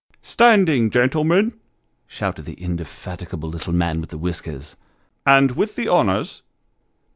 " Standing, gentlemen !" shouted the indefatigable little man with the whiskers " and with the honours.